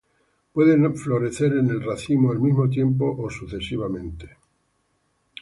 Pueden florecer en el racimo al mismo tiempo o sucesivamente.